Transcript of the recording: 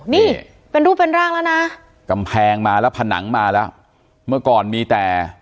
นี่เป็นรูปเป็นร่างแล้วนะกำแพงมาแล้วผนังมาแล้วเมื่อก่อนมีแต่